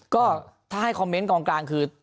ก็ถ้าให้คอมเมนต์กองกลางคือ